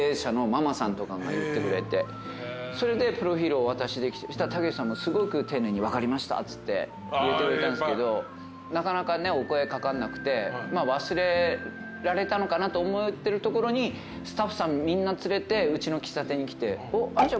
それでプロフィルをお渡しできて武さんもすごく丁寧に「分かりました」っつって入れてくれたんですけどなかなかお声掛かんなくて忘れられたのかなと思ってるところにスタッフさんみんな連れてうちの喫茶店に来て。